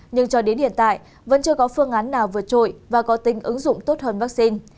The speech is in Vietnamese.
nhưng cho đến hiện tại vẫn chưa có phương án nào vượt trội và có tính ứng dụng tốt hơn vaccine